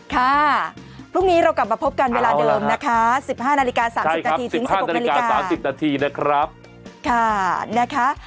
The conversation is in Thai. ค่ะพรุ่งนี้เรากลับมาพบกันเวลาเดิมนะคะ๑๕น๓๐น๑๖นขายค่ะ